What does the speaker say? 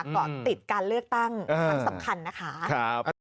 เกาะติดการเลือกตั้งครั้งสำคัญนะคะ